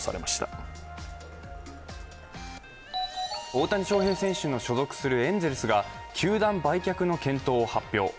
大谷翔平選手の所属するエンゼルスが球団売却の検討を発表。